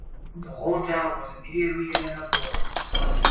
The whole town was immediately in an uproar.